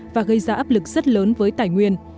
và gây ra áp lực rất lớn với tài nguyên